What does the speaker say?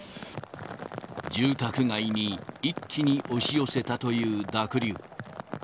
住宅街に一気に押し寄せたという濁流。